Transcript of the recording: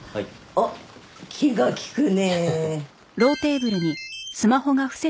おっ気が利くねえ。